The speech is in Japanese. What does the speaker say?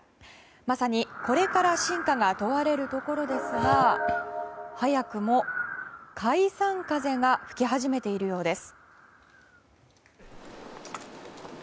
まさに、これから真価が問われるところですが早くも解散風が吹き始めているようです。